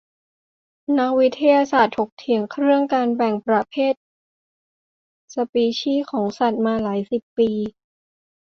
นักวิทยาศาสตร์ถกเถียงเครื่องการแบ่งประเภทสปีชีส์ของสัตว์มาหลายสิบปี